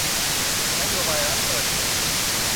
นโยบายรัฐเปิดเผย